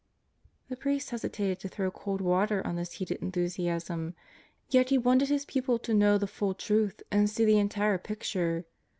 The priest hesitated to throw cold water on this heated enthu siasm, yet he wanted his pupil to know the full truth and see the entire picture.